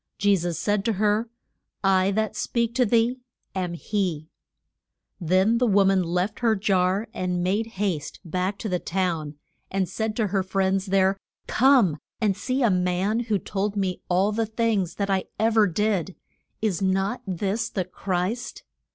Je sus said to her, I that speak to thee am he. [Illustration: THE WO MAN AT THE WELL.] Then the wo man left her jar, and made haste back to the town, and said to her friends there, Come and see a man who told me all the things that ever I did. Is not this the Christ?